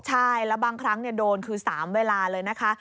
ใช่แล้วบางครั้งโดนคือ๓เวลาเลยนะคะ